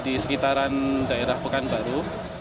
di sekitaran daerah pekanbaru